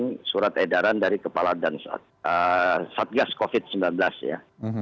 ini surat edaran dari kepala dan satgas covid sembilan belas ya